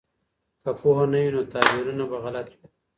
که پوهه نه وي نو تعبیرونه به غلط وي.